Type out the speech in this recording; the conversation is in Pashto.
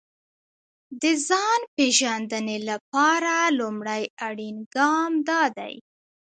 د ځان پېژندنې لپاره لومړی اړين ګام دا دی.